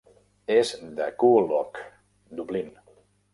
És de Coolock, Dublín.